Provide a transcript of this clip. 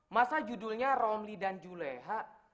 masa judulnya romli dan juleha